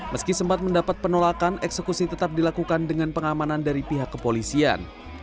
meski sempat mendapat penolakan eksekusi tetap dilakukan dengan pengamanan dari pihak kepolisian